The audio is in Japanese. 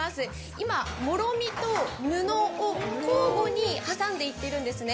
今、もろみと布を交互に挟んでいってるんですね。